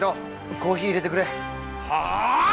コーヒーいれてくれはぁい！